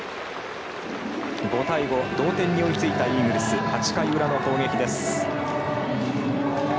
５対５同点に追いついたイーグルス８回裏の攻撃です。